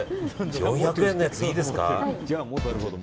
４００円のやつ、いいですか？